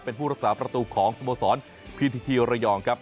เป็นผู้รักษาประตูของสโมสรพิธีทีระยองครับ